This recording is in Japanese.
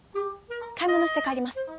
買い物して帰ります。